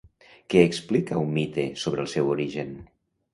Què explica un mite sobre el seu origen?